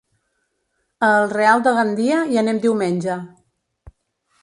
A el Real de Gandia hi anem diumenge.